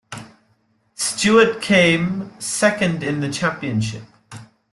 Stewart came second in the championship.